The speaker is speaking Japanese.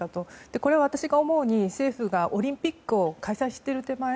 これは私が思うに、政府がオリンピックを開催している手前